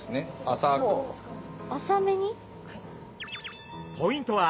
浅めに？